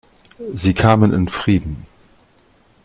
Sie kamen in Frieden.